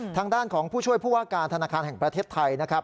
ทางด้านของผู้ช่วยผู้ว่าการธนาคารแห่งประเทศไทยนะครับ